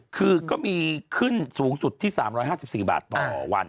คือก็มีขึ้นสูงสุดที่๓๕๔บาทต่อวัน